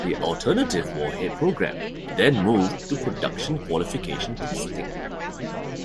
The Alternative Warhead Program then moved to production qualification testing.